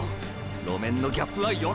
路面のギャップはよけろ！